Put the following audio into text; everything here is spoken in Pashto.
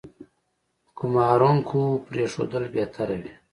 ګومارونکو پرېښودل بهتره وي.